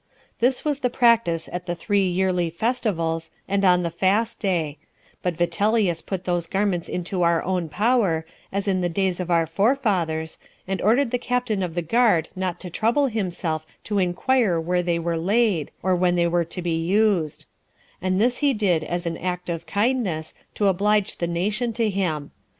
This was the practice at the three yearly festivals, and on the fast day; but Vitellius put those garments into our own power, as in the days of our forefathers, and ordered the captain of the guard not to trouble himself to inquire where they were laid, or when they were to be used; and this he did as an act of kindness, to oblige the nation to him.